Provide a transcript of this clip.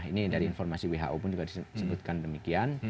ini dari informasi who pun juga disebutkan demikian